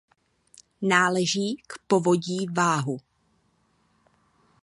Náleží k povodí Váhu.